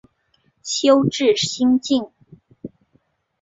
修智心净。